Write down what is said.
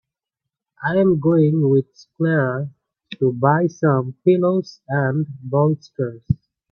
I'm going with Clara to buy some pillows and bolsters.